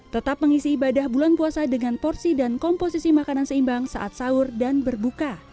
tetap mengisi ibadah bulan puasa dengan porsi dan komposisi makanan seimbang saat sahur dan berbuka